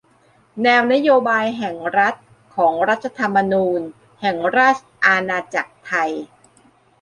แนวนโยบายแห่งรัฐของรัฐธรรมนูญแห่งราชอาณาจักรไทย